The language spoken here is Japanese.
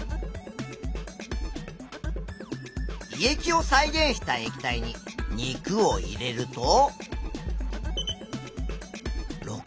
胃液を再現した液体に肉を入れると。